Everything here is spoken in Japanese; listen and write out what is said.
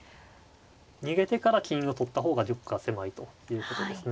逃げてから金を取った方が玉が狭いということですね。